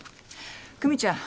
久実ちゃん